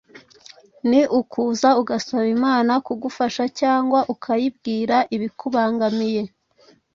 Ni ukuza ugasaba Imana kugufasha cyangwa ukayibwira ibikubangamiye.